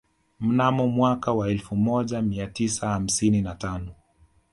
Mnamo mwaka wa elfu moja mia tisa hamsini na tano